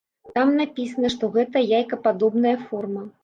Там напісана, што гэта яйкападобная форма.